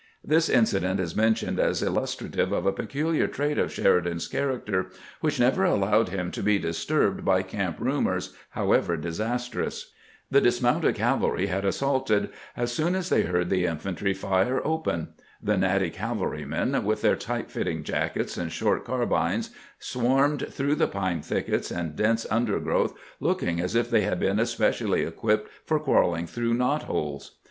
This incident is mentioned as illustrative of a peculiar trait of Sheridan's character, which never allowed him to be disturbed by camp rumors, however disastrous. The dismounted cavalry had assaulted as soon as they heard the infantry fire open. The natty cavalrymen, with their tight fitting jackets, and short carbines, swarmed through the pine thickets and dense under growth, looking as if they had been especially equipped for crawling through knot holes.